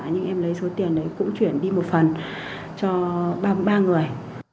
nhưng em lấy số tiền đấy cũng chuyển đi một phần cho ba người